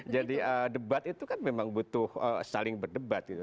jadi debat itu kan memang butuh saling berdebat gitu